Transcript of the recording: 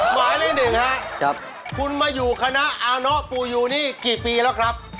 หมายได้๑ครับคุณมาอยู่คณะอปูยูนี่กี่ปีแล้วครับ